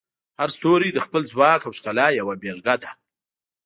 هر ستوری د خپل ځواک او ښکلا یوه بیلګه ده.